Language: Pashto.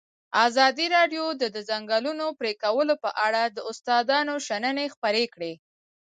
ازادي راډیو د د ځنګلونو پرېکول په اړه د استادانو شننې خپرې کړي.